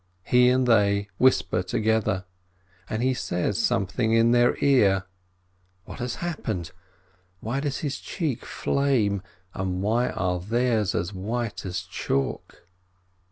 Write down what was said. He and they whisper together, and he says something in their ear. What has happened? Why does his cheek flame, and why are theirs as white as chalk